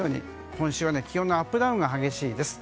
今週は気温のアップダウンが激しいです。